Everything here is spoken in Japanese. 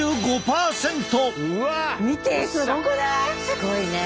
すごいね。